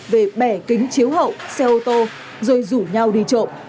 về bẻ kính chiếu hậu xe ô tô rồi rủ nhau đi trộm